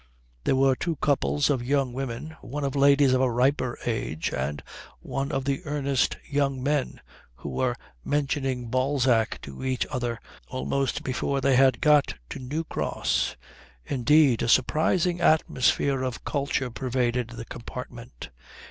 There were two couples of young women, one of ladies of a riper age, and one of earnest young men who were mentioning Balzac to each other almost before they had got to New Cross. Indeed, a surprising atmosphere of culture pervaded the compartment.